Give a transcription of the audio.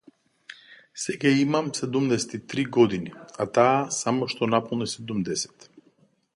Сега имам седумдесет и три години, а таа само што наполни седумдесет.